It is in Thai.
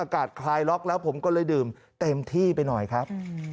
ก็เลยดื่มเต็มที่ไปหน่อยครับ